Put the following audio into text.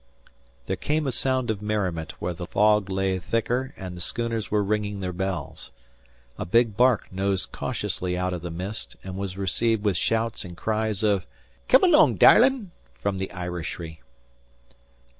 There came a sound of merriment where the fog lay thicker and the schooners were ringing their bells. A big bark nosed cautiously out of the mist, and was received with shouts and cries of, "Come along, darlin'," from the Irishry.